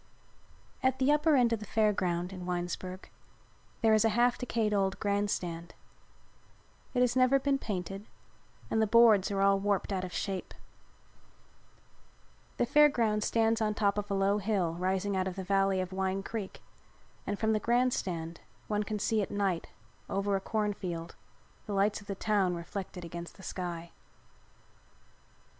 At the upper end of the Fair Ground, in Winesburg, there is a half decayed old grand stand. It has never been painted and the boards are all warped out of shape. The Fair Ground stands on top of a low hill rising out of the valley of Wine Creek and from the grand stand one can see at night, over a cornfield, the lights of the town reflected against the sky.